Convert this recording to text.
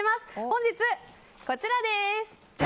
本日、こちらです。